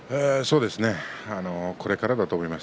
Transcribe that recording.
これからだと思います。